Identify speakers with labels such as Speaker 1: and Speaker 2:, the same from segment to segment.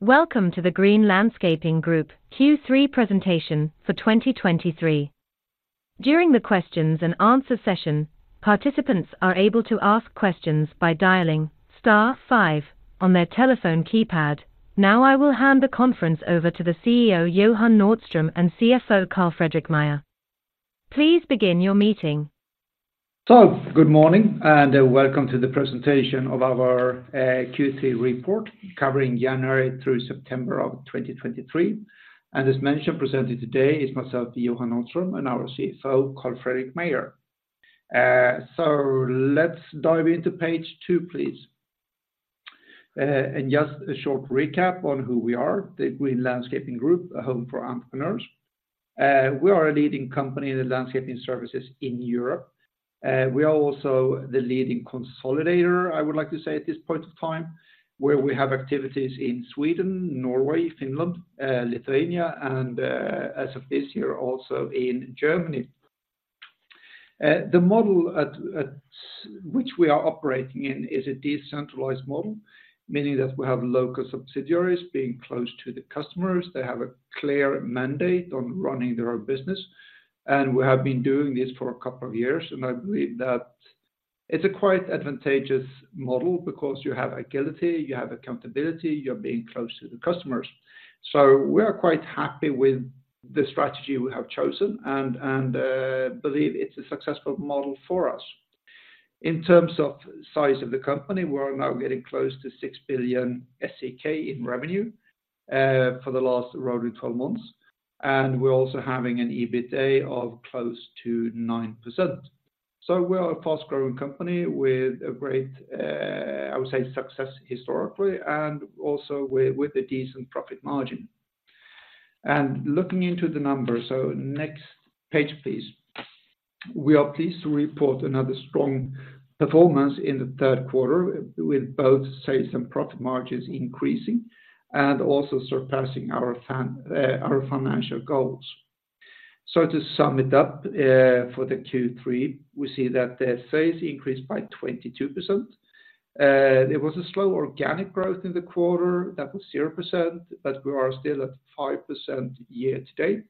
Speaker 1: Welcome to the Green Landscaping Group Q3 presentation for 2023. During the questions and answer session, participants are able to ask questions by dialing star five on their telephone keypad. Now, I will hand the conference over to the CEO, Johan Nordström, and CFO, Carl-Fredrik Meijer. Please begin your meeting.
Speaker 2: So good morning, and welcome to the presentation of our Q3 report, covering January through September of 2023. And as mentioned, presenting today is myself, Johan Nordström, and our CFO, Carl-Fredrik Meijer. So let's dive into page two, please. And just a short recap on who we are, the Green Landscaping Group, a home for entrepreneurs. We are a leading company in the landscaping services in Europe, we are also the leading consolidator, I would like to say, at this point of time, where we have activities in Sweden, Norway, Finland, Lithuania, and as of this year, also in Germany. The model at which we are operating in is a decentralized model, meaning that we have local subsidiaries being close to the customers. They have a clear mandate on running their own business, and we have been doing this for a couple of years, and I believe that it's a quite advantageous model because you have agility, you have accountability, you're being close to the customers. So we are quite happy with the strategy we have chosen and believe it's a successful model for us. In terms of size of the company, we are now getting close to 6 billion SEK in revenue for the last rolling 12 months, and we're also having an EBITA of close to 9%. So we are a fast-growing company with a great, I would say, success historically, and also with a decent profit margin. And looking into the numbers, so next page, please. We are pleased to report another strong performance in the third quarter, with both sales and profit margins increasing and also surpassing our financial goals. So to sum it up, for the Q3, we see that the sales increased by 22%. There was a slow organic growth in the quarter that was 0%, but we are still at 5% year to date.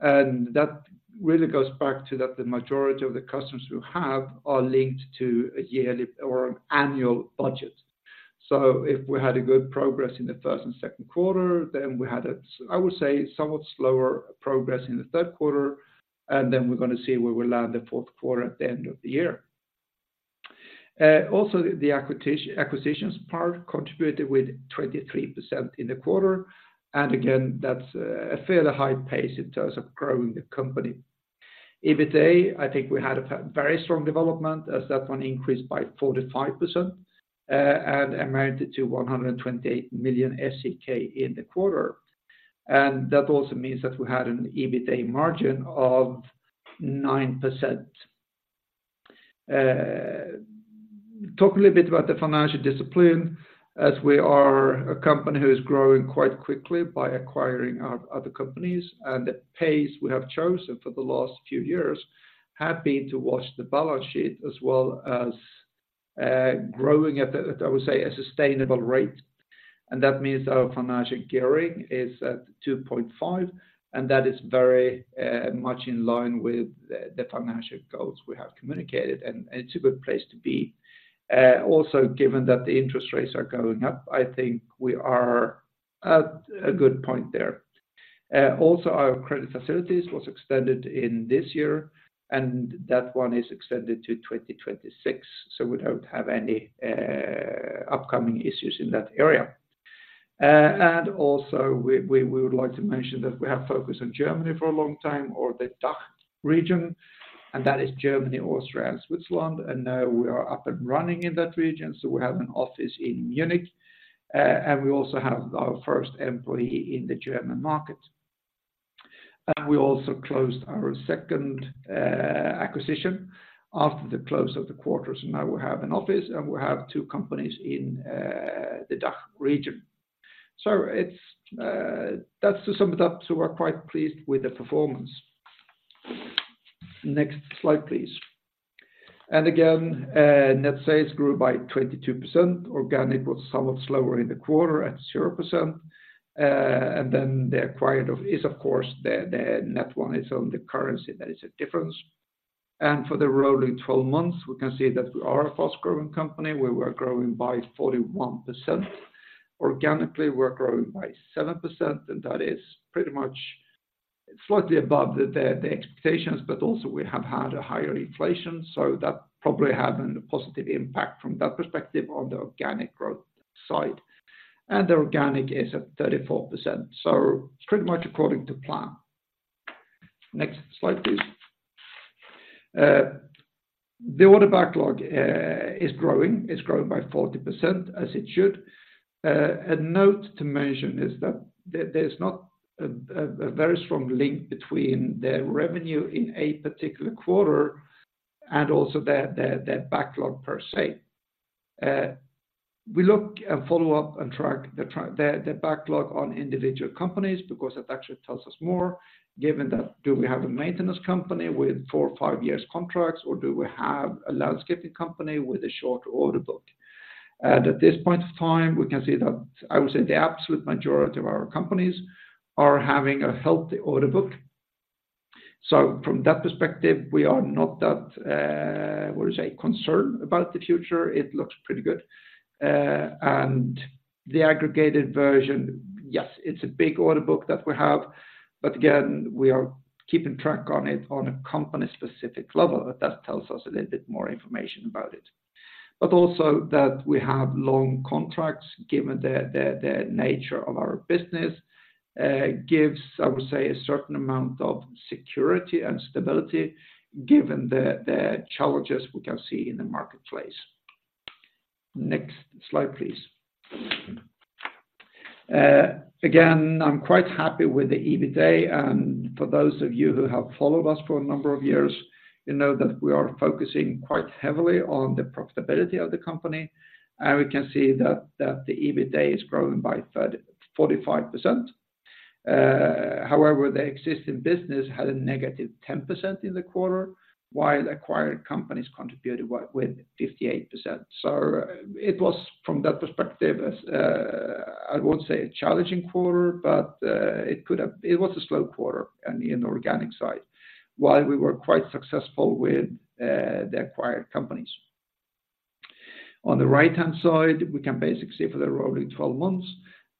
Speaker 2: And that really goes back to that the majority of the customers we have are linked to a yearly or an annual budget. So if we had a good progress in the first and second quarter, then we had a, I would say, somewhat slower progress in the third quarter, and then we're going to see where we land the fourth quarter at the end of the year. Also, the acquisition... Acquisitions part contributed with 23% in the quarter, and again, that's a fairly high pace in terms of growing the company. EBITA, I think we had a very strong development as that one increased by 45%, and amounted to 128 million SEK in the quarter. And that also means that we had an EBITA margin of 9%. Talk a little bit about the financial discipline, as we are a company who is growing quite quickly by acquiring our other companies, and the pace we have chosen for the last few years had been to watch the balance sheet as well as growing at a, I would say, a sustainable rate. And that means our financial gearing is at 2.5, and that is very much in line with the financial goals we have communicated, and it's a good place to be. Also, given that the interest rates are going up, I think we are at a good point there. Also, our credit facilities was extended in this year, and that one is extended to 2026, so we don't have any upcoming issues in that area. And also, we would like to mention that we have focused on Germany for a long time, or the DACH region, and that is Germany, Austria, and Switzerland, and now we are up and running in that region, so we have an office in Munich, and we also have our first employee in the German market. And we also closed our second acquisition after the close of the quarters, and now we have an office, and we have two companies in the DACH region. So it's. That's to sum it up, so we're quite pleased with the performance. Next slide, please. And again, net sales grew by 22%. Organic was somewhat slower in the quarter at 0%, and then the acquired of is, of course, the, the net one is on the currency, there is a difference. And for the rolling 12 months, we can see that we are a fast-growing company. We were growing by 41%. Organically, we're growing by 7%, and that is pretty much slightly above the, the, the expectations, but also we have had a higher inflation, so that probably had a positive impact from that perspective on the organic growth side. The organic is at 34%, so pretty much according to plan. Next slide, please. The order backlog is growing. It's growing by 40%, as it should. A note to mention is that there's not a very strong link between the revenue in a particular quarter and also the backlog per se. We look and follow up and track the backlog on individual companies because it actually tells us more, given that, do we have a maintenance company with four or five years contracts, or do we have a landscaping company with a shorter order book? At this point of time, we can see that, I would say, the absolute majority of our companies are having a healthy order book. So from that perspective, we are not that, what do you say, concerned about the future, it looks pretty good. And the aggregated version, yes, it's a big order book that we have, but again, we are keeping track on it on a company-specific level, that tells us a little bit more information about it. But also that we have long contracts, given the nature of our business, gives, I would say, a certain amount of security and stability given the challenges we can see in the marketplace. Next slide, please. Again, I'm quite happy with the EBITA, and for those of you who have followed us for a number of years, you know that we are focusing quite heavily on the profitability of the company, and we can see that the EBITA is growing by 45%. However, the existing business had a negative 10% in the quarter, while acquired companies contributed with 58%. So it was, from that perspective, as I won't say a challenging quarter, but it could have... It was a slow quarter on the inorganic side, while we were quite successful with the acquired companies. On the right-hand side, we can basically see for the rolling 12 months,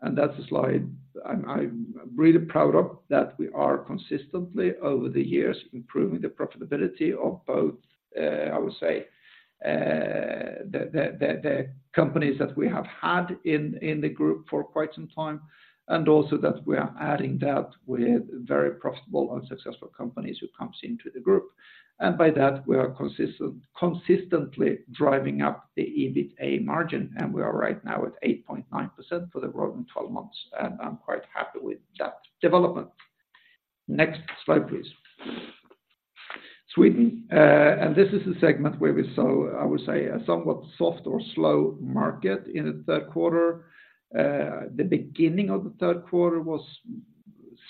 Speaker 2: and that's a slide I'm really proud of, that we are consistently over the years improving the profitability of both, I would say, the companies that we have had in the group for quite some time, and also that we are adding that with very profitable and successful companies who comes into the group. And by that, we are consistently driving up the EBITA margin, and we are right now at 8.9% for the rolling 12 months, and I'm quite happy with that development. Next slide, please. Sweden, and this is a segment where we saw, I would say, a somewhat soft or slow market in the third quarter. The beginning of the third quarter was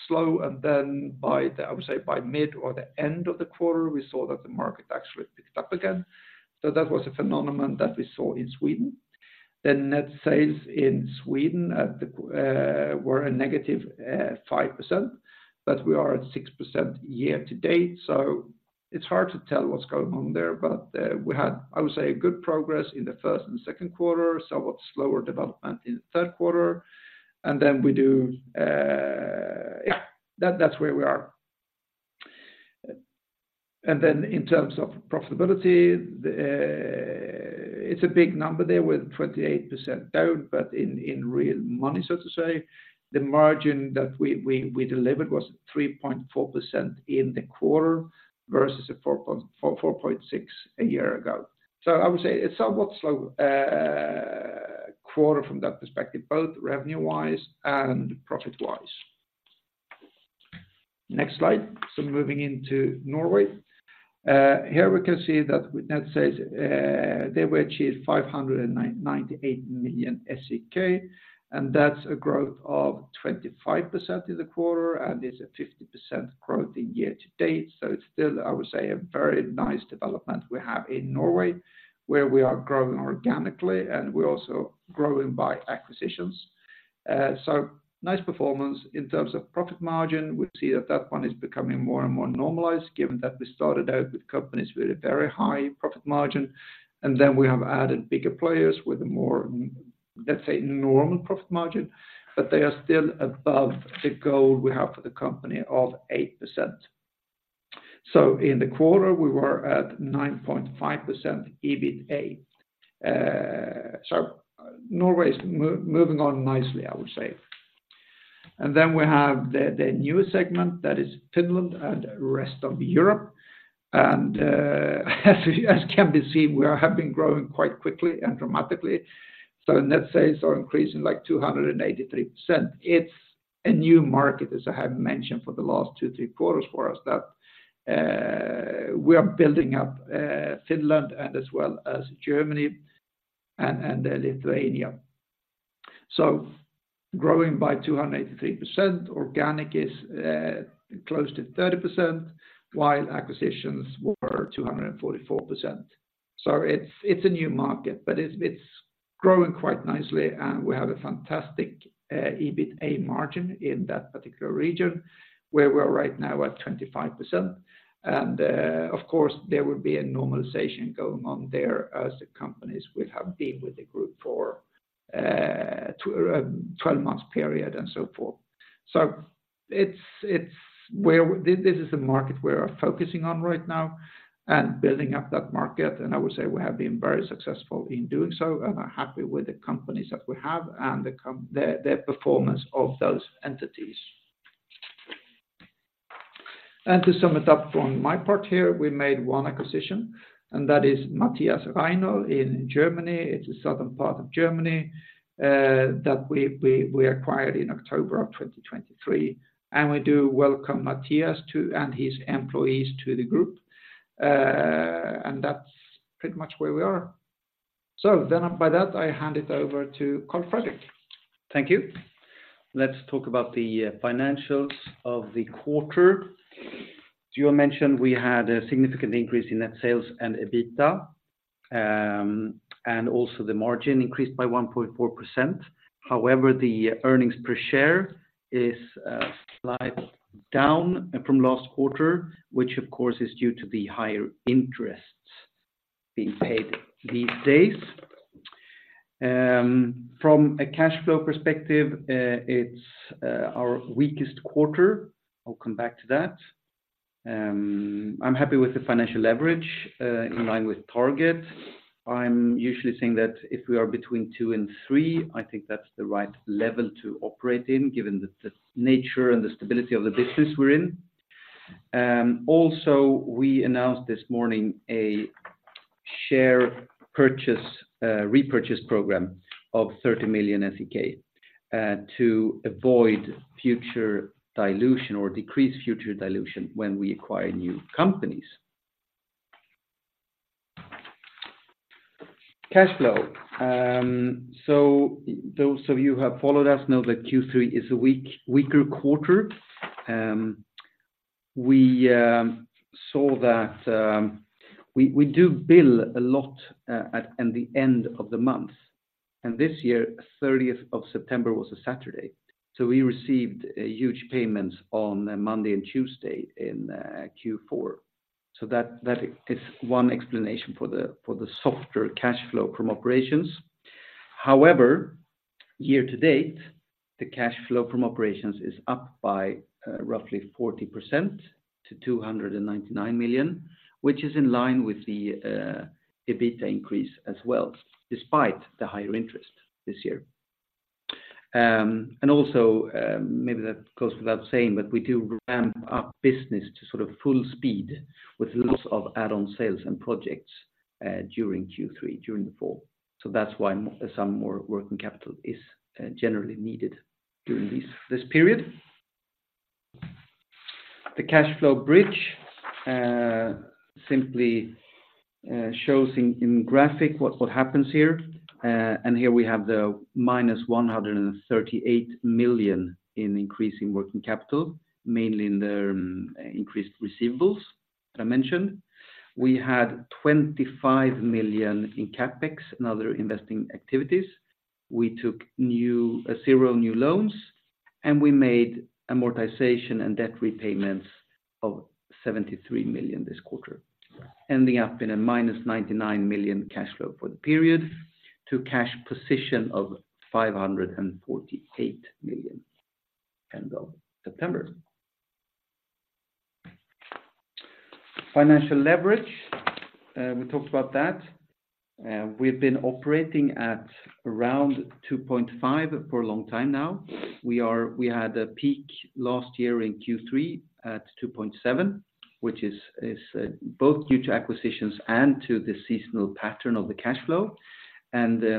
Speaker 2: slow, and then by the, I would say, by mid or the end of the quarter, we saw that the market actually picked up again. So that was a phenomenon that we saw in Sweden. The net sales in Sweden at the were a negative 5%, but we are at 6% year to date, so it's hard to tell what's going on there. But we had, I would say, a good progress in the first and second quarter, somewhat slower development in the third quarter, and then we do... Yeah, that's where we are. And then in terms of profitability, it's a big number there with 28% down, but in real money, so to say, the margin that we delivered was 3.4% in the quarter versus a 4.6% a year ago. So I would say it's somewhat slow quarter from that perspective, both revenue-wise and profit-wise. Next slide. So moving into Norway. Here we can see that with net sales, there we achieved 598 million SEK, and that's a growth of 25% in the quarter, and it's a 50% growth in year to date. So it's still, I would say, a very nice development we have in Norway, where we are growing organically and we're also growing by acquisitions. So nice performance in terms of profit margin, we see that that one is becoming more and more normalized, given that we started out with companies with a very high profit margin, and then we have added bigger players with a more, let's say, normal profit margin, but they are still above the goal we have for the company of 8%. So in the quarter, we were at 9.5% EBITA. So Norway is moving on nicely, I would say. And then we have the newest segment, that is Finland and rest of Europe. And as can be seen, we have been growing quite quickly and dramatically. So the net sales are increasing, like 283%. It's a new market, as I have mentioned, for the last two, three quarters for us, that, we are building up, Finland and as well as Germany and, and Lithuania. So growing by 283%, organic is, close to 30%, while acquisitions were 244%. So it's, it's a new market, but it's, it's growing quite nicely, and we have a fantastic, EBITA margin in that particular region, where we are right now at 25%. And, of course, there will be a normalization going on there as the companies will have been with the group for, 12 months period and so forth. So it's where this is the market we are focusing on right now and building up that market, and I would say we have been very successful in doing so, and are happy with the companies that we have and the performance of those entities. And to sum it up from my part here, we made one acquisition, and that is Matthias Rainer in Germany. It's a southern part of Germany that we acquired in October 2023, and we do welcome Matthias and his employees to the group. And that's pretty much where we are. So then by that, I hand it over to Carl-Fredrik.
Speaker 3: Thank you. Let's talk about the financials of the quarter. As you mentioned, we had a significant increase in net sales and EBITA.... And also the margin increased by 1.4%. However, the earnings per share is slightly down from last quarter, which of course is due to the higher interests being paid these days. From a cash flow perspective, it's our weakest quarter. I'll come back to that. I'm happy with the financial leverage in line with target. I'm usually saying that if we are between two and three, I think that's the right level to operate in, given the nature and the stability of the business we're in. Also, we announced this morning a share purchase repurchase program of 30 million SEK to avoid future dilution or decrease future dilution when we acquire new companies. Cash flow. So those of you who have followed us know that Q3 is a weak, weaker quarter. We saw that we do bill a lot at the end of the month, and this year, the 30th of September was a Saturday, so we received a huge payment on Monday and Tuesday in Q4. So that is one explanation for the softer cash flow from operations. However, year to date, the cash flow from operations is up by roughly 40% to 299 million, which is in line with the EBITA increase as well, despite the higher interest this year. And also, maybe that goes without saying, but we do ramp up business to sort of full speed with lots of add-on sales and projects during Q3, during the fall. So that's why some more working capital is generally needed during this period. The cash flow bridge simply shows in graphic what happens here. And here we have the -138 million in increasing working capital, mainly in the increased receivables that I mentioned. We had 25 million in CapEx and other investing activities. We took no new loans, and we made amortization and debt repayments of 73 million this quarter, ending up in a -99 million cash flow for the period to cash position of 548 million end of September. Financial leverage, we talked about that. We've been operating at around 2.5 for a long time now. We had a peak last year in Q3 at 2.7, which is both due to acquisitions and to the seasonal pattern of the cash flow.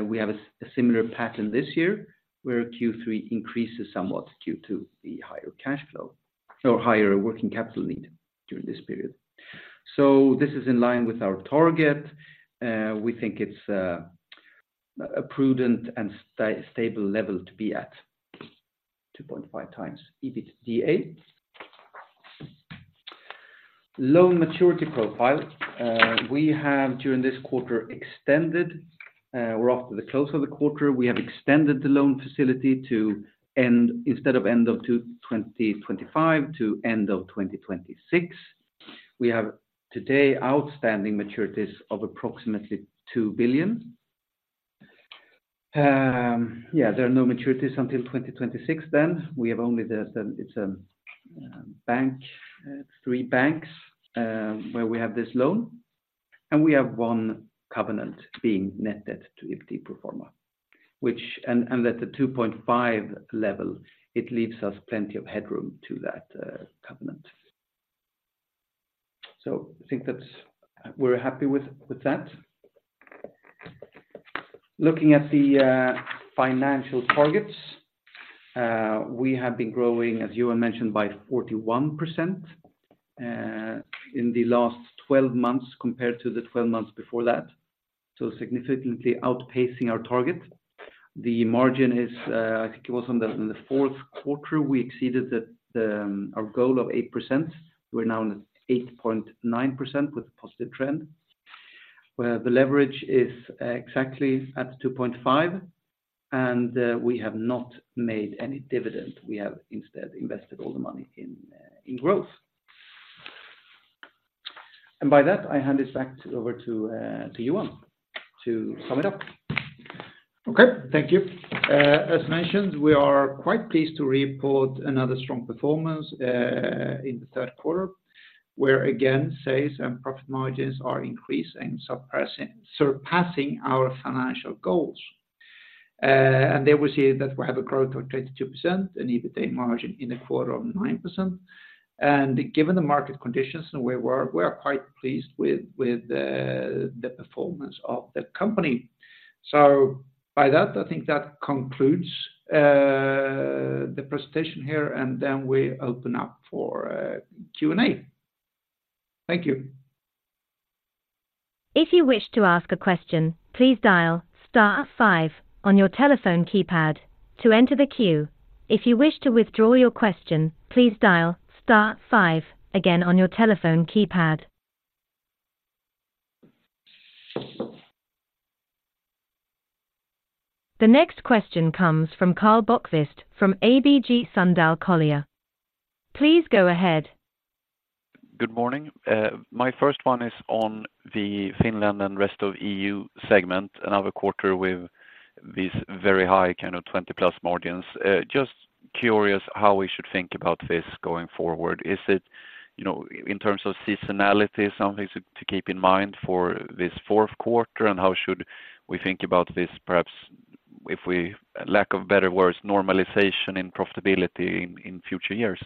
Speaker 3: We have a similar pattern this year, where Q3 increases somewhat due to the higher cash flow or higher working capital need during this period. So this is in line with our target. We think it's a prudent and stable level to be at 2.5 times EBITA. Loan maturity profile. We have, during this quarter, extended. As of the close of the quarter, we have extended the loan facility to end, instead of end of 2025 to end of 2026. We have today outstanding maturities of approximately 2 billion. There are no maturities until 2026 then. We have only three banks where we have this loan, and we have one covenant being netted to EBITA pro forma, which at the 2.5 level, it leaves us plenty of headroom to that covenant. So I think that's... We're happy with that. Looking at the financial targets, we have been growing, as you have mentioned, by 41% in the last 12 months compared to the 12 months before that, so significantly outpacing our target. The margin is, I think it was, in the fourth quarter, we exceeded our goal of 8%. We're now at 8.9% with a positive trend, where the leverage is exactly at 2.5, and we have not made any dividend. We have instead invested all the money in growth. By that, I hand it back over to you, Johan, to sum it up.
Speaker 2: Okay, thank you. As mentioned, we are quite pleased to report another strong performance in the third quarter, where, again, sales and profit margins are increasing, surpassing, surpassing our financial goals. And there we see that we have a growth of 32%, an EBITA margin in the quarter of 9%. And given the market conditions, and we were, we are quite pleased with, with the, the performance of the company. So by that, I think that concludes the presentation here, and then we open up for Q and A. Thank you.
Speaker 1: If you wish to ask a question, please dial star five on your telephone keypad to enter the queue.... If you wish to withdraw your question, please dial star five again on your telephone keypad. The next question comes from Karl Bokvist from ABG Sundal Collier. Please go ahead.
Speaker 4: Good morning. My first one is on the Finland and rest of EU segment, another quarter with these very high, kind of, 20+ margins. Just curious how we should think about this going forward. Is it, you know, in terms of seasonality, something to keep in mind for this fourth quarter? And how should we think about this, perhaps if we, lack of better words, normalization in profitability in future years?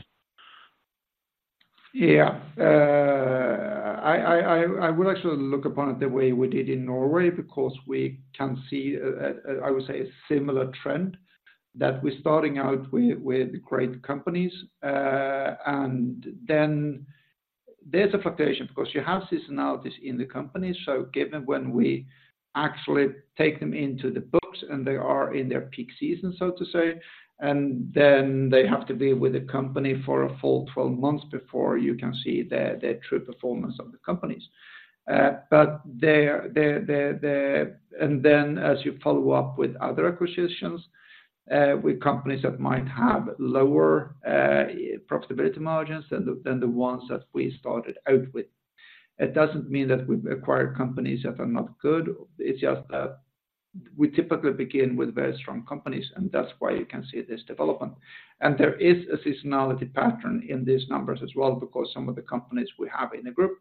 Speaker 2: Yeah. I would actually look upon it the way we did in Norway, because we can see, I would say, a similar trend, that we're starting out with great companies. And then there's a fluctuation, because you have seasonality in the company, so given when we actually take them into the books and they are in their peak season, so to say, and then they have to be with the company for a full 12 months before you can see the true performance of the companies. And then as you follow up with other acquisitions, with companies that might have lower profitability margins than the ones that we started out with. It doesn't mean that we've acquired companies that are not good, it's just that we typically begin with very strong companies, and that's why you can see this development. There is a seasonality pattern in these numbers as well, because some of the companies we have in the group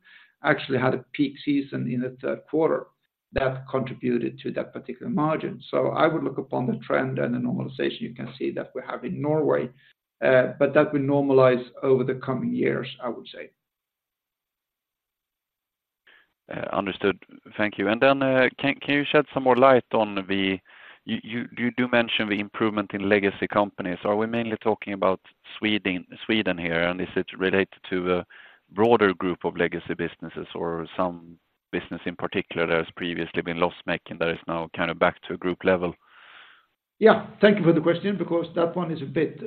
Speaker 2: actually had a peak season in the third quarter that contributed to that particular margin. I would look upon the trend and the normalization you can see that we have in Norway, but that will normalize over the coming years, I would say.
Speaker 4: Understood. Thank you. And then, can you shed some more light on the... You do mention the improvement in legacy companies. Are we mainly talking about Sweden here, and is it related to a broader group of legacy businesses or some business in particular that has previously been loss-making, that is now kind of back to group level?
Speaker 2: Yeah. Thank you for the question, because that one is a bit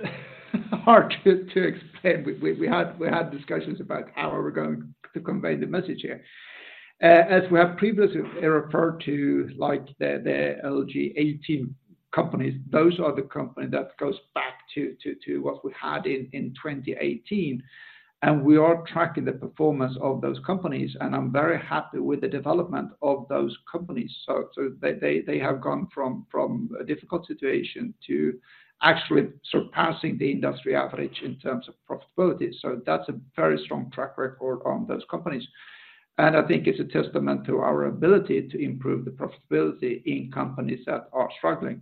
Speaker 2: hard to explain. We had discussions about how are we going to convey the message here. As we have previously referred to, like, the LG18 companies, those are the companies that goes back to what we had in 2018, and we are tracking the performance of those companies, and I'm very happy with the development of those companies. So they have gone from a difficult situation to actually surpassing the industry average in terms of profitability. So that's a very strong track record on those companies. And I think it's a testament to our ability to improve the profitability in companies that are struggling.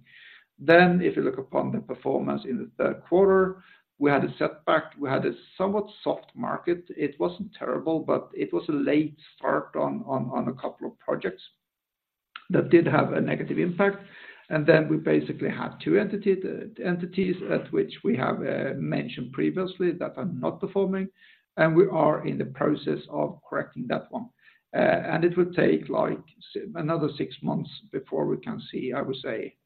Speaker 2: Then if you look upon the performance in the third quarter, we had a setback. We had a somewhat soft market. It wasn't terrible, but it was a late start on a couple of projects that did have a negative impact. Then we basically had two entities at which we have mentioned previously that are not performing, and we are in the process of correcting that one. And it will take, like, another six months before we can see, I would say,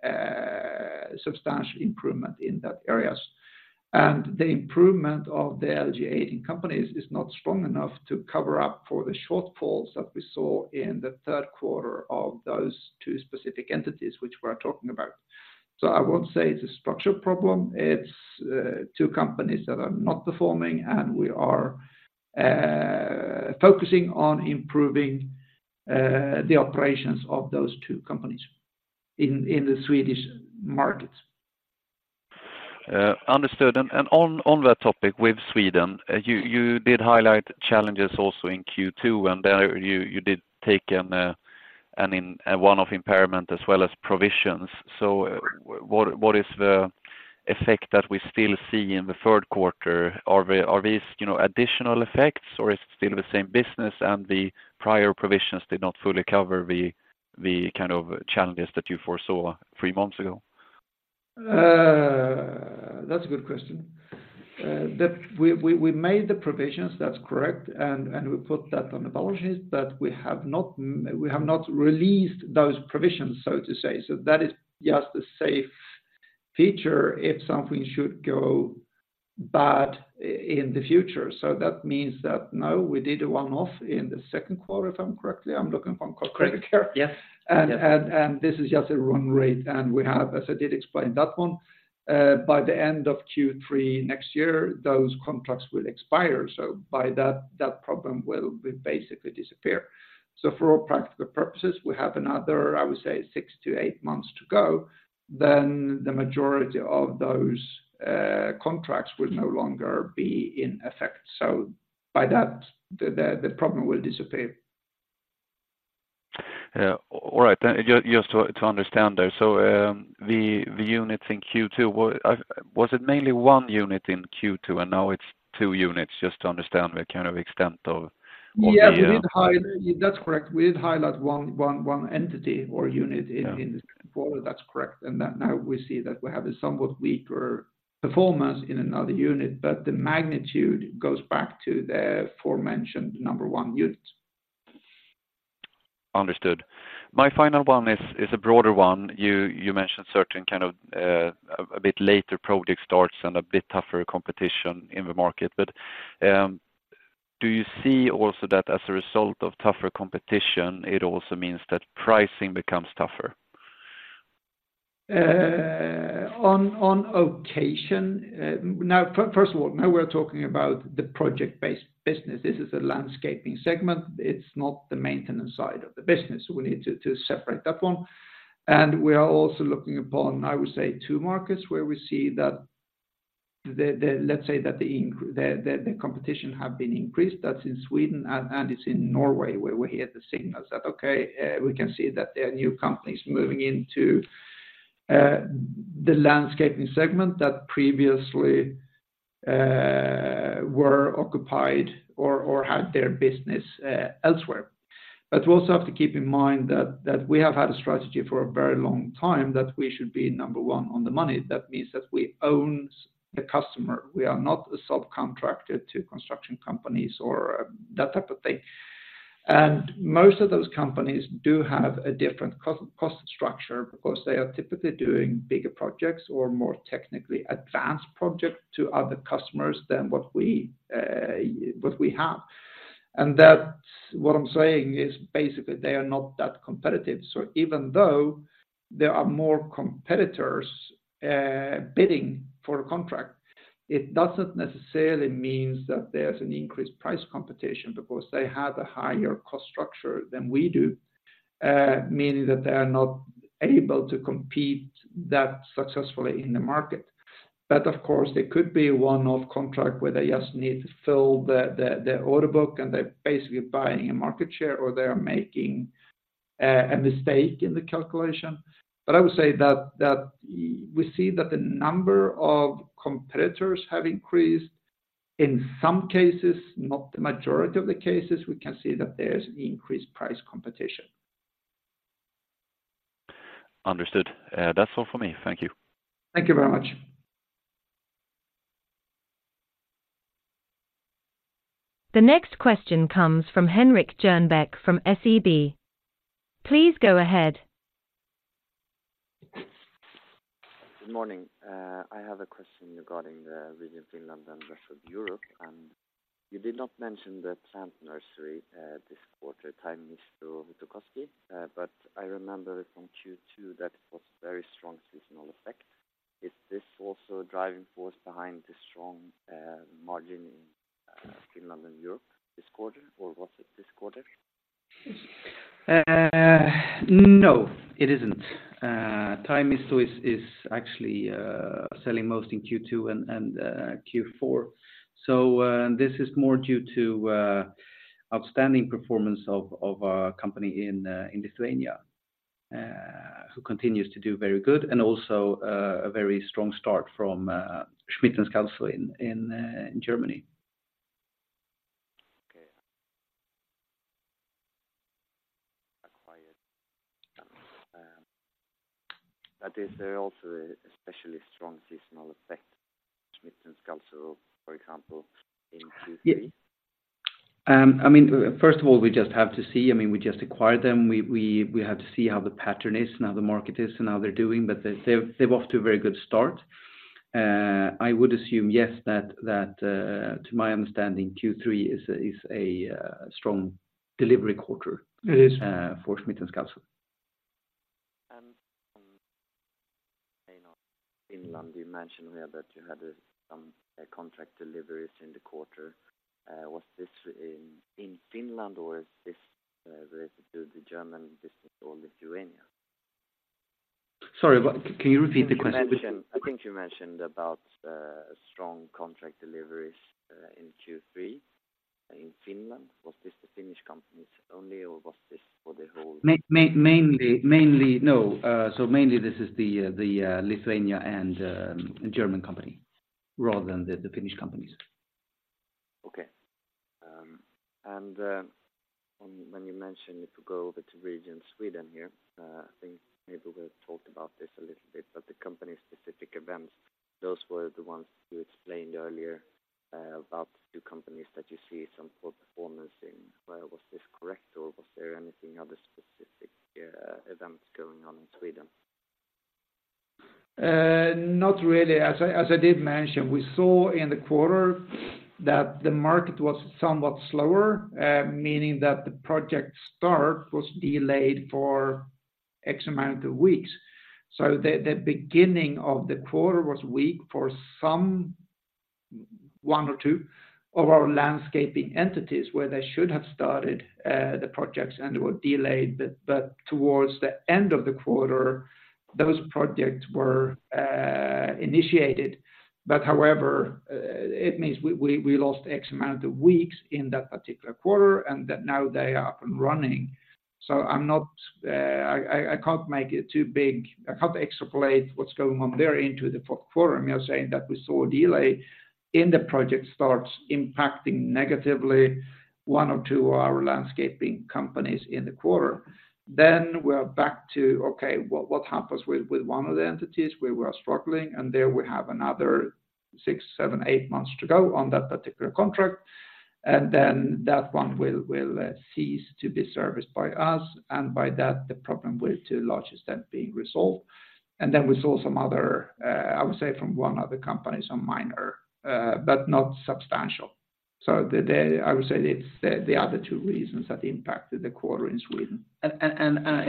Speaker 2: substantial improvement in that areas. And the improvement of the LG18 companies is not strong enough to cover up for the shortfalls that we saw in the third quarter of those two specific entities, which we're talking about. So I won't say it's a structural problem, it's two companies that are not performing, and we are focusing on improving the operations of those two companies in the Swedish markets.
Speaker 4: Understood. And on that topic with Sweden, you did highlight challenges also in Q2, and there you did take a one-off impairment as well as provisions. So what is the effect that we still see in the third quarter? Are these, you know, additional effects, or is it still the same business and the prior provisions did not fully cover the kind of challenges that you foresaw three months ago?
Speaker 2: That's a good question. We made the provisions, that's correct, and we put that on the balance sheet, but we have not released those provisions, so to say. So that is just a safe feature if something should go bad in the future. So that means that no, we did a one-off in the second quarter, if I'm correct. I'm looking up on the quarterly here.
Speaker 4: Correct, yes.
Speaker 2: This is just a run rate, and we have, as I did explain that one, by the end of Q3 next year, those contracts will expire, so by that, that problem will basically disappear. So for all practical purposes, we have another, I would say, six to eight months to go, then the majority of those contracts will no longer be in effect. So by that, the problem will disappear.
Speaker 4: All right, then just to understand there, so, the units in Q2, was it mainly one unit in Q2, and now it's two units? Just to understand the kind of extent of what the-
Speaker 2: Yeah, that's correct. We did highlight one entity or unit-
Speaker 4: Yeah...
Speaker 2: in this quarter. That's correct. And that now we see that we have a somewhat weaker performance in another unit, but the magnitude goes back to the aforementioned number one unit....
Speaker 4: Understood. My final one is a broader one. You mentioned certain kind of a bit later project starts and a bit tougher competition in the market, but do you see also that as a result of tougher competition, it also means that pricing becomes tougher?
Speaker 2: On occasion. Now, first of all, now we're talking about the project-based business. This is a landscaping segment. It's not the maintenance side of the business. We need to separate that one. And we are also looking upon, I would say, two markets where we see that the... Let's say that the competition have been increased. That's in Sweden and it's in Norway, where we hear the signals that we can see that there are new companies moving into the landscaping segment that previously were occupied or had their business elsewhere. But we also have to keep in mind that we have had a strategy for a very long time, that we should be number one on the money. That means that we own the customer. We are not a subcontractor to construction companies or that type of thing. And most of those companies do have a different cost structure because they are typically doing bigger projects or more technically advanced projects to other customers than what we what we have. And that's what I'm saying is basically, they are not that competitive. So even though there are more competitors bidding for a contract, it doesn't necessarily means that there's an increased price competition because they have a higher cost structure than we do, meaning that they are not able to compete that successfully in the market. But of course, there could be a one-off contract where they just need to fill the order book, and they're basically buying a market share, or they are making a mistake in the calculation. But I would say that, that we see that the number of competitors have increased. In some cases, not the majority of the cases, we can see that there's increased price competition.
Speaker 4: Understood. That's all for me. Thank you.
Speaker 2: Thank you very much.
Speaker 1: The next question comes from Henrik Jernbeck from SEB. Please go ahead.
Speaker 5: Good morning, I have a question regarding the region Finland and rest of Europe. And you did not mention the plant nursery, this quarter, Taimisto Huutokoski, but I remember from Q2 that it was very strong seasonal effect. Is this also a driving force behind the strong, margin in, Finland and Europe this quarter, or was it this quarter?
Speaker 2: No, it isn't. Taimisto is actually selling most in Q2 and Q4. So, this is more due to outstanding performance of our company in Lithuania, who continues to do very good, and also a very strong start from Schmitt & Scalzo in Germany.
Speaker 5: Okay. Acquired. But is there also an especially strong seasonal effect, Schmitt & Scalzo, for example, in Q3?
Speaker 3: I mean, first of all, we just have to see. I mean, we just acquired them. We have to see how the pattern is and how the market is and how they're doing, but they're off to a very good start. I would assume, yes, that to my understanding, Q3 is a strong delivery quarter. It is for Schmitt & Scalzo
Speaker 5: And in Finland, you mentioned here that you had some contract deliveries in the quarter. Was this in Finland, or is this related to the German business or Lithuania?
Speaker 2: Sorry, what? Can you repeat the question?
Speaker 5: I think you mentioned about strong contract deliveries in Q3 in Finland. Was this the Finnish companies only, or was this for the whole?
Speaker 2: Mainly, no. So mainly this is the Lithuanian and German company, rather than the Finnish companies.
Speaker 5: Okay. And when you mentioned, if you go over to Region Sweden here, I think maybe we talked about this a little bit, but the company-specific events, those were the ones you explained earlier, about the two companies that you see some poor performance in. Well, was this correct, or was there anything other specific events going on in Sweden?
Speaker 2: Not really. As I did mention, we saw in the quarter that the market was somewhat slower, meaning that the project start was delayed for X amount of weeks. So the beginning of the quarter was weak for one or two of our landscaping entities, where they should have started the projects and were delayed. But towards the end of the quarter, those projects were initiated. But however, it means we lost X amount of weeks in that particular quarter, and now they are up and running. So I'm not, I can't make it too big. I can't extrapolate what's going on there into the fourth quarter. I'm just saying that we saw a delay in the project starts impacting negatively one or two of our landscaping companies in the quarter. Then we are back to, okay, well, what happens with one of the entities where we are struggling, and there we have another six to eight months to go on that particular contract, and then that one will cease to be serviced by us, and by that, the problem will to a large extent be resolved. And then we saw some other, I would say from one other company, some minor, but not substantial. So, I would say it's the other two reasons that impacted the quarter in Sweden.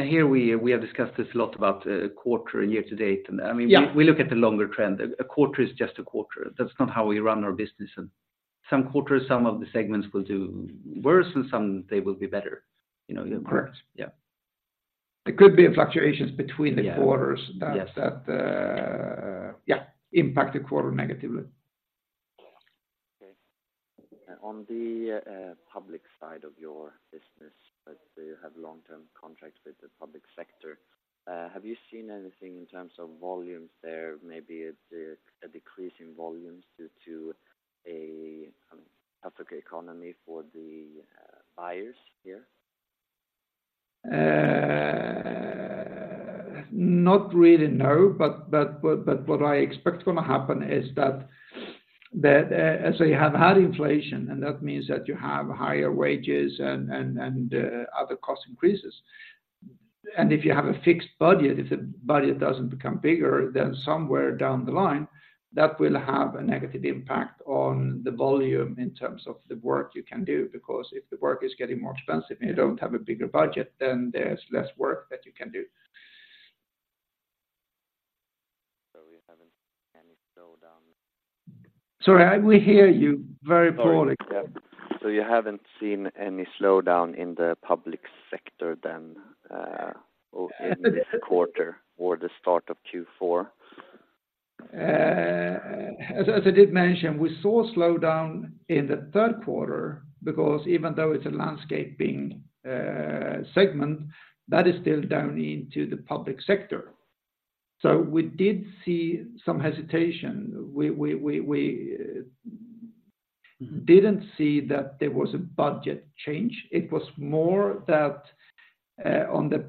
Speaker 3: Here we have discussed this a lot about quarter and year to date. And, I mean-
Speaker 2: Yeah.
Speaker 3: We look at the longer trend. A quarter is just a quarter. That's not how we run our business. And some quarters, some of the segments will do worse, and some they will be better, you know?
Speaker 2: Correct.
Speaker 3: Yeah.
Speaker 2: There could be fluctuations between the quarters-
Speaker 3: Yeah. Yes
Speaker 2: that, yeah, impact the quarter negatively.
Speaker 5: Okay. On the public side of your business, that you have long-term contracts with the public sector, have you seen anything in terms of volumes there? Maybe a decrease in volumes due to a tougher economy for the buyers here?
Speaker 2: Not really, no. But what I expect gonna happen is that as we have had inflation, and that means that you have higher wages and other cost increases. And if you have a fixed budget, if the budget doesn't become bigger, then somewhere down the line, that will have a negative impact on the volume in terms of the work you can do. Because if the work is getting more expensive and you don't have a bigger budget, then there's less work that you can do.
Speaker 5: You haven't any slowdown?
Speaker 2: Sorry, we hear you very poorly.
Speaker 5: Sorry. So you haven't seen any slowdown in the public sector then, or in this quarter or the start of Q4?
Speaker 2: As I did mention, we saw a slowdown in the third quarter, because even though it's a landscaping segment, that is still down into the public sector. So we did see some hesitation. We didn't see that there was a budget change. It was more that on the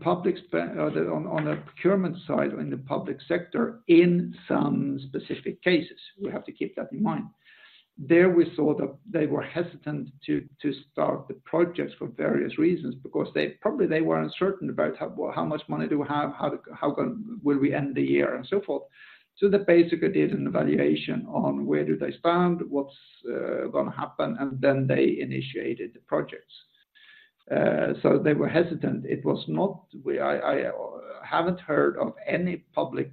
Speaker 2: procurement side, in the public sector, in some specific cases, we have to keep that in mind. There, we saw that they were hesitant to start the projects for various reasons, because they probably were uncertain about how much money do we have, how will we end the year, and so forth. So they basically did an evaluation on where do they stand, what's gonna happen, and then they initiated the projects. So they were hesitant. I haven't heard of any public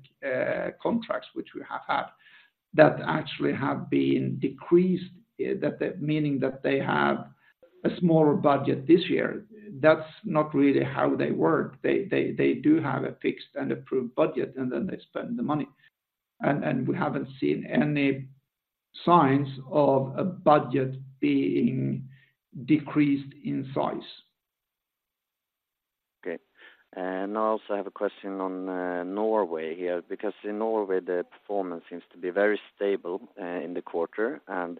Speaker 2: contracts which we have had that actually have been decreased, that meaning that they have a smaller budget this year. That's not really how they work. They do have a fixed and approved budget, and then they spend the money. And we haven't seen any signs of a budget being decreased in size.
Speaker 5: Okay. I also have a question on Norway here, because in Norway, the performance seems to be very stable in the quarter, and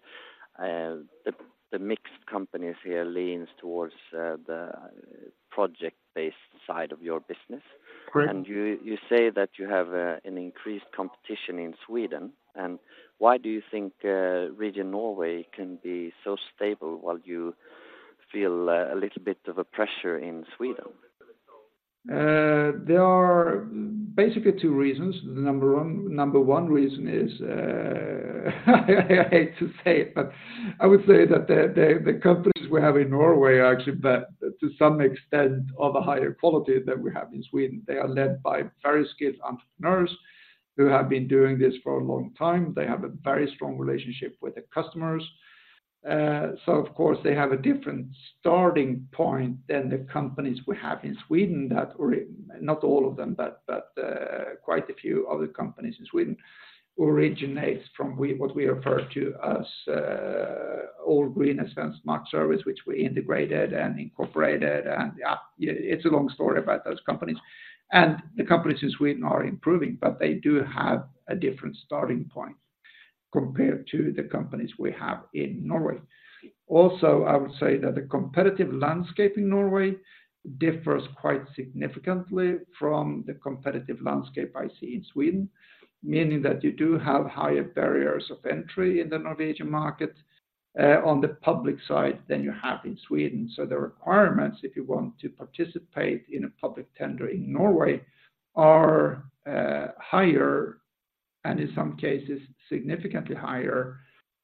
Speaker 5: the mixed companies here leans towards the project-based side of your business.
Speaker 2: Correct.
Speaker 5: You say that you have an increased competition in Sweden, and why do you think region Norway can be so stable while you feel a little bit of a pressure in Sweden?
Speaker 2: There are basically two reasons. The number one, number one reason is, I hate to say it, but I would say that the, the, the companies we have in Norway are actually, but to some extent, of a higher quality than we have in Sweden. They are led by very skilled entrepreneurs, who have been doing this for a long time. They have a very strong relationship with the customers. So of course, they have a different starting point than the companies we have in Sweden that originate. Not all of them, but, quite a few of the companies in Sweden originate from what we refer to as old Green and Svensk Markservice, which we integrated and incorporated, and it's a long story about those companies. The companies in Sweden are improving, but they do have a different starting point compared to the companies we have in Norway. Also, I would say that the competitive landscape in Norway differs quite significantly from the competitive landscape I see in Sweden. Meaning that you do have higher barriers of entry in the Norwegian market, on the public side, than you have in Sweden. So the requirements, if you want to participate in a public tender in Norway, are higher, and in some cases, significantly higher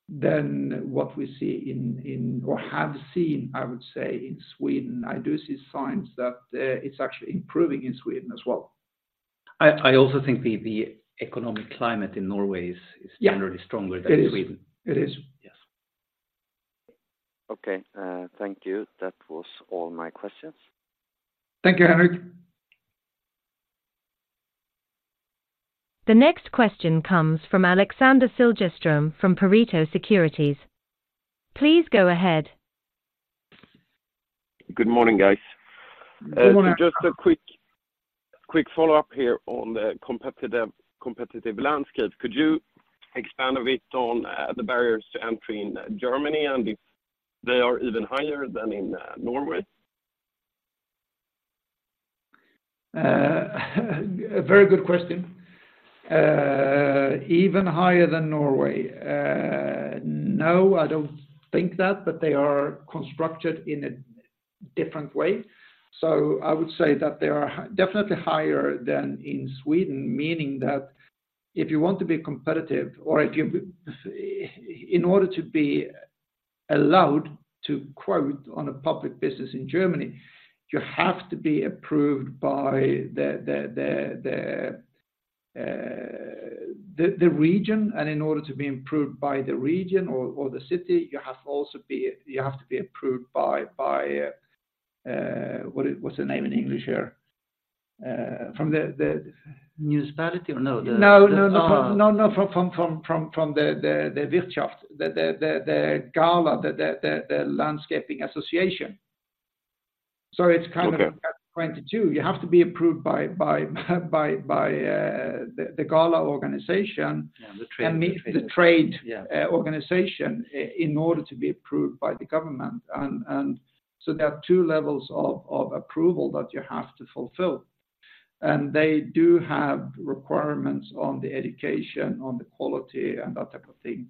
Speaker 2: than what we see in or have seen, I would say, in Sweden. I do see signs that it's actually improving in Sweden as well.
Speaker 3: I also think the economic climate in Norway is—
Speaker 2: Yeah
Speaker 3: - generally stronger than Sweden.
Speaker 2: It is. It is.
Speaker 3: Yes.
Speaker 5: Okay, thank you. That was all my questions.
Speaker 2: Thank you, Henrik.
Speaker 1: The next question comes from Alexander Siljeström, from Pareto Securities. Please go ahead.
Speaker 6: Good morning, guys.
Speaker 2: Good morning.
Speaker 6: Just a quick follow-up here on the competitive landscape. Could you expand a bit on the barriers to entry in Germany, and if they are even higher than in Norway?...
Speaker 2: A very good question. Even higher than Norway? No, I don't think that, but they are constructed in a different way. So I would say that they are definitely higher than in Sweden, meaning that if you want to be competitive or if you in order to be allowed to quote on a public business in Germany, you have to be approved by the region. And in order to be approved by the region or the city, you have to be approved by what is, what's the name in English here? From the.
Speaker 6: Municipality or no, the
Speaker 2: No, no, no. From the Deutschraft, the GaLa, the Landscaping Association. So it's kind of-
Speaker 6: Okay...
Speaker 2: 22. You have to be approved by the GaLa organization-
Speaker 6: Yeah, the trade...
Speaker 2: And the trade-
Speaker 6: Yeah...
Speaker 2: organization, in order to be approved by the government. And so there are two levels of approval that you have to fulfill. And they do have requirements on the education, on the quality, and that type of thing.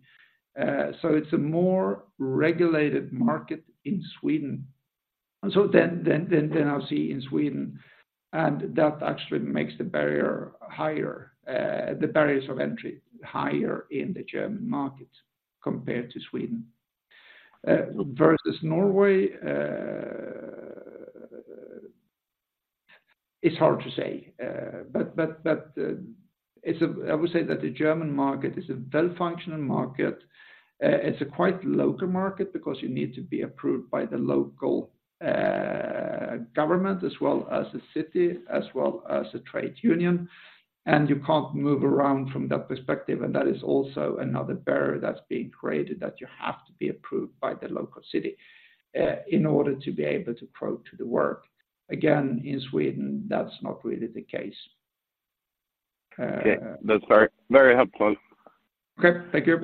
Speaker 2: So it's a more regulated market in Sweden. And so then, then, then, then I'll see in Sweden, and that actually makes the barrier higher, the barriers of entry higher in the German market compared to Sweden. Versus Norway, it's hard to say. But it's a I would say that the German market is a well-functioning market. It's a quite local market because you need to be approved by the local government, as well as the city, as well as the trade union, and you can't move around from that perspective, and that is also another barrier that's being created, that you have to be approved by the local city in order to be able to quote to the work. Again, in Sweden, that's not really the case.
Speaker 6: Okay, that's very, very helpful.
Speaker 2: Okay, thank you.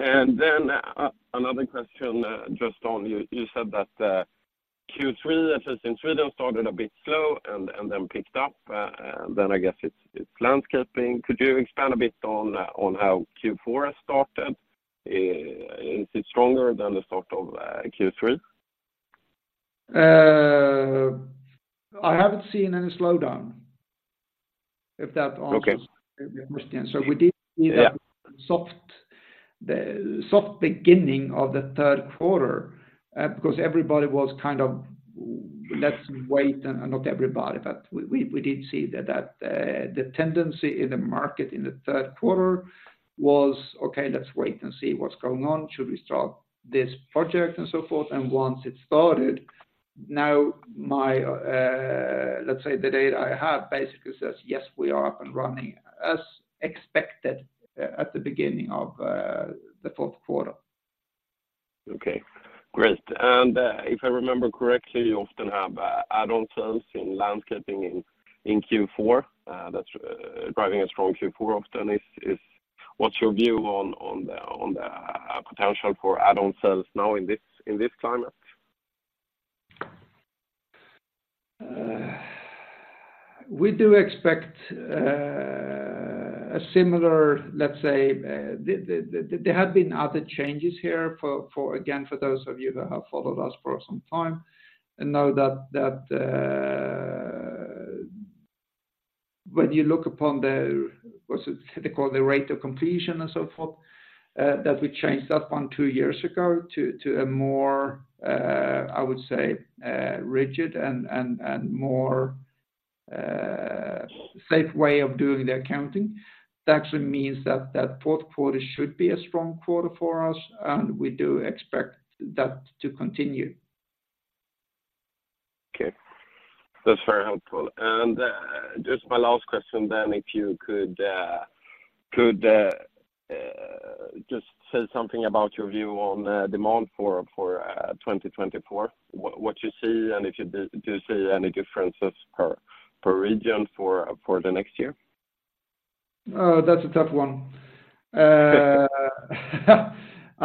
Speaker 6: And then another question just on, you said that Q3, at least in Sweden, started a bit slow and then picked up, and then I guess it's landscaping. Could you expand a bit on how Q4 has started? Is it stronger than the start of Q3?
Speaker 2: I haven't seen any slowdown, if that answers-
Speaker 6: Okay...
Speaker 2: the question. So we did-
Speaker 6: Yeah...
Speaker 2: see a soft, the soft beginning of the third quarter, because everybody was kind of, "Let's wait," and not everybody, but we, we, we did see that, that, the tendency in the market in the third quarter was, "Okay, let's wait and see what's going on. Should we start this project?" and so forth. And once it started, now my, let's say the data I have basically says, "Yes, we are up and running as expected, at the beginning of, the fourth quarter.
Speaker 6: Okay, great. If I remember correctly, you often have add-on sales in landscaping in Q4. That's driving a strong Q4 often. What's your view on the potential for add-on sales now in this climate?
Speaker 2: We do expect a similar, let's say, there have been other changes here, again, for those of you that have followed us for some time, and know that when you look upon the, what's it called, the rate of completion and so forth, that we changed that one two years ago to a more, I would say, rigid and more safe way of doing the accounting. That actually means that that fourth quarter should be a strong quarter for us, and we do expect that to continue.
Speaker 6: Okay, that's very helpful. And just my last question then, if you could just say something about your view on demand for 2024. What you see, and if you do, do you see any differences per region for the next year?
Speaker 2: That's a tough one. I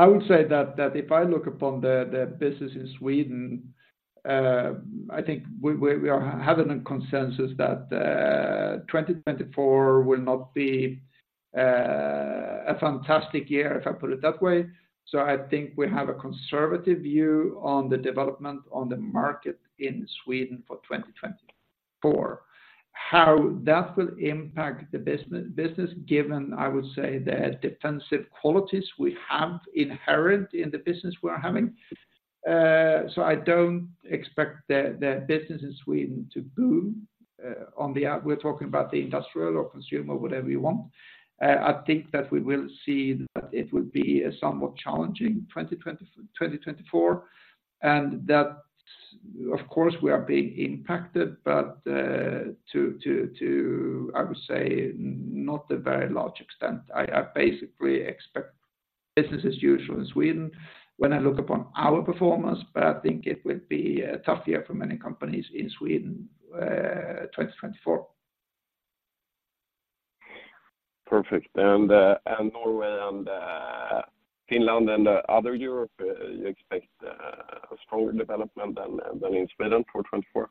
Speaker 2: would say that if I look upon the business in Sweden, I think we are having a consensus that 2024 will not be a fantastic year, if I put it that way. So I think we have a conservative view on the development on the market in Sweden for 2024. How that will impact the business, given, I would say, the defensive qualities we have inherent in the business we are having. So I don't expect the business in Sweden to boom on the out. We're talking about the industrial or consumer, whatever you want. I think that we will see that it will be a somewhat challenging 2024, and that, of course, we are being impacted, but I would say not a very large extent. I basically expect business as usual in Sweden when I look upon our performance, but I think it will be a tough year for many companies in Sweden, 2024.
Speaker 6: Perfect. And Norway and Finland and other Europe, you expect a stronger development than in Sweden for 2024?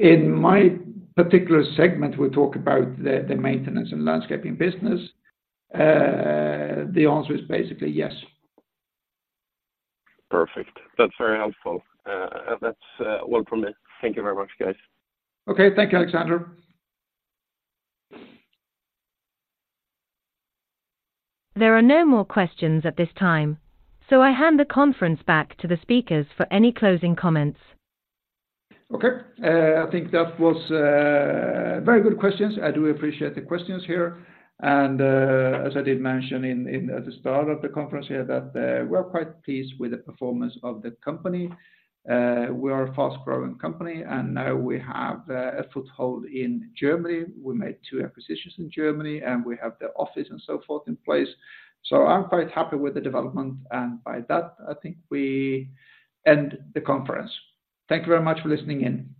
Speaker 2: In my particular segment, we talk about the maintenance and landscaping business. The answer is basically yes.
Speaker 6: Perfect. That's very helpful, and that's, well from me. Thank you very much, guys.
Speaker 2: Okay. Thank you, Alexander.
Speaker 1: There are no more questions at this time, so I hand the conference back to the speakers for any closing comments.
Speaker 2: Okay, I think that was very good questions. I do appreciate the questions here, and as I did mention at the start of the conference here, that we are quite pleased with the performance of the company. We are a fast-growing company, and now we have a foothold in Germany. We made two acquisitions in Germany, and we have the office and so forth in place. So I'm quite happy with the development, and by that, I think we end the conference. Thank you very much for listening in.